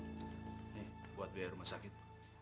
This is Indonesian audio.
pak ini buat biaya rumah sakit